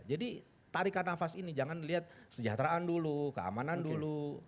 jadi tarikan nafas ini jangan melihat sejahteraan dulu keamanan dulu